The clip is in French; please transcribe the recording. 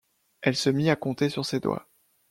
Elle se mit à compter sur ces doigts.